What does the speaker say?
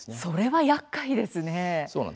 それは、やっかいですね。